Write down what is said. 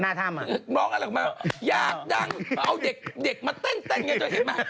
ร้องอะไรมายากดังเอาเด็กมาเต้นไงเจ้าเห็นไหม